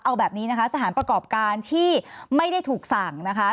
เอาแบบนี้นะคะสถานประกอบการที่ไม่ได้ถูกสั่งนะคะ